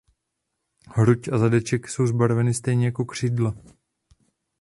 Hruď a zadeček jsou zbarveny stejně jako křídla.